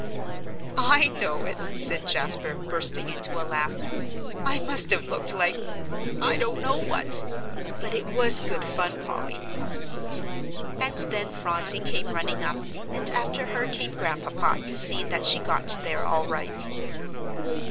"I know it," said Jasper, bursting into a laugh. "I must have looked like I don't know what. But it was good fun, Polly." And then Phronsie came running up, and after her came Grandpapa to see that she got there all right.